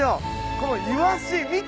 このイワシ見て。